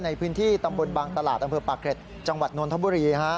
ในพื้นที่ตำบลบางตลาดอำเภอปากเกร็ดจังหวัดนนทบุรี